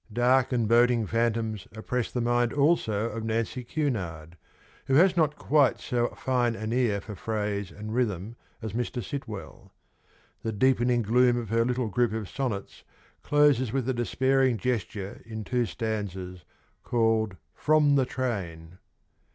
Dark and boding phantoms oppress the mind also of Nancy Cunard, who has not quite so fine an ear for phrase and rhythm as Mr. Sitwell. The deep ening gloom of her little group of sonnets closes with a despairing gesture in two stanzas called From the Train.'